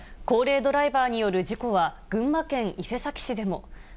高齢ドライバーによる事故は、群馬県伊勢崎市でも。